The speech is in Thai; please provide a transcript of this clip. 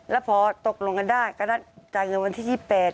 แล้วพอตกลงกันได้ก็ได้จ่ายเงินวันที่๒๘